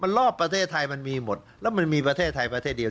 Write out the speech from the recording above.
รอบประเทศไทยมันมีหมดแล้วมันมีประเทศไทยประเทศเดียว